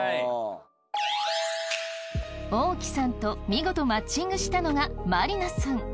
おおきさんと見事マッチングしたのがまりなさん。